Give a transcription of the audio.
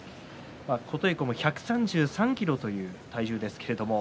琴恵光１３３ｋｇという体重です。